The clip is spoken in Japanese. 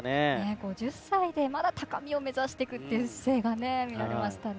５０歳でまだ高みを目指していくという姿勢が見られましたね。